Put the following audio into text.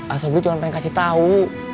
asobri cuma pengen kasih tau